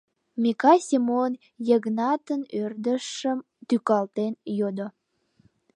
Микал Семон Йыгнатын ӧрдыжшым тӱкалтен йодо: